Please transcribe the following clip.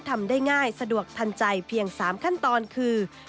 ทำได้ง่ายสะดวกทันใจเพียง๓ขั้นตอนคือ